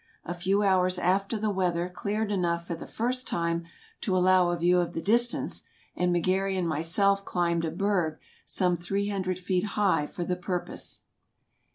A few hours after the weather cleared enough for the first time to allow a view of the distance, and McGary and myself climbed a berg some three hundred feet high for the purpose.